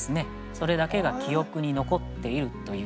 それだけが記憶に残っているというそういう。